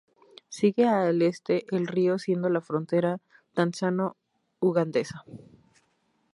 Sigue al este el río siendo la frontera tanzano-ugandesa.